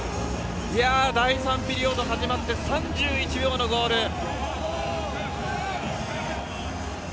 第３ピリオド始まって３１秒のゴール！